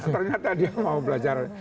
ternyata dia mau belajar